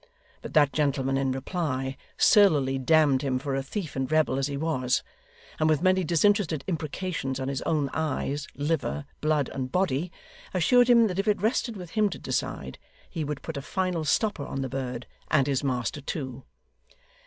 But that gentleman, in reply, surlily damned him for a thief and rebel as he was, and with many disinterested imprecations on his own eyes, liver, blood, and body, assured him that if it rested with him to decide, he would put a final stopper on the bird, and his master too.